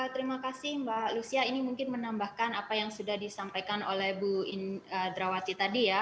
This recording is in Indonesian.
terima kasih mbak lucia ini mungkin menambahkan apa yang sudah disampaikan oleh bu indrawati tadi ya